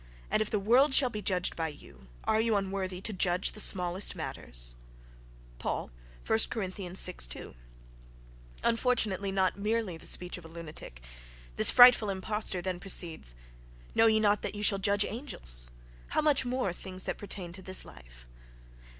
and if the world shall be judged by you, are ye unworthy to judge the smallest matters?" (Paul, 1 Corinthians vi, 2.)—Unfortunately, not merely the speech of a lunatic.... This frightful impostor then proceeds: "Know ye not that we shall judge angels? how much more things that pertain to this life?"...